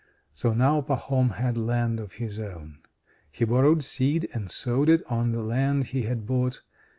So now Pahom had land of his own. He borrowed seed, and sowed it on the land he had bought.